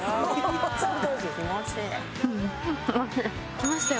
きましたよ。